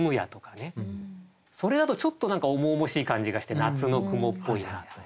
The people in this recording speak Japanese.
それだとちょっと何か重々しい感じがして夏の雲っぽいなと。